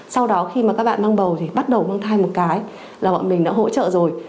sau đó khi mà các bạn mang bầu thì bắt đầu mang thai một cái là bọn mình đã hỗ trợ rồi